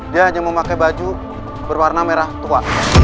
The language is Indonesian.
dia hanya memakai baju berwarna merah tua